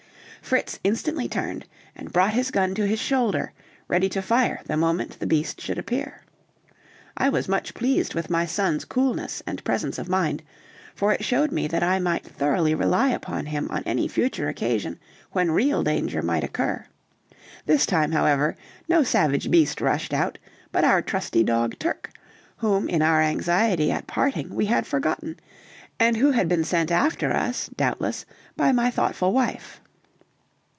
Fritz instantly turned and brought his gun to his shoulder, ready to fire the moment the beast should appear. I was much pleased with my son's coolness and presence of mind, for it showed me that I might thoroughly rely upon him on any future occasion when real danger might occur; this time, however, no savage beast rushed out, but our trusty dog Turk, whom in our anxiety at parting we had forgotten, and who had been sent after us, doubtless, by my thoughtful wife.